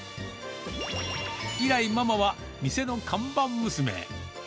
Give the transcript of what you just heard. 以来、ママは店の看板娘。